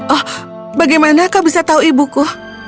oh bagaimana kau bisa tahu ibuku